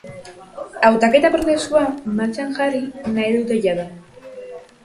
Hautaketa prozesua martxan jarri dute jada.